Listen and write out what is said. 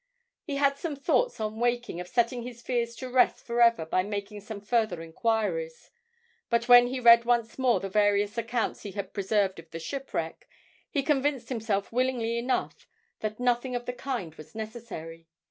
He had some thoughts, on waking, of setting his fears to rest for ever by making some further inquiries, but when he read once more the various accounts he had preserved of the shipwreck, he convinced himself willingly enough that nothing of the kind was necessary.